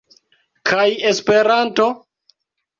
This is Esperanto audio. Kaj Esperanto?